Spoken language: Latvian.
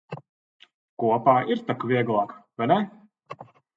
Kopā ir tak vieglāk, vai ne?